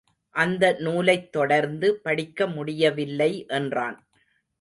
அந்த நூலைத் தொடர்ந்து படிக்க முடியவில்லை என்றான்.